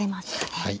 はい。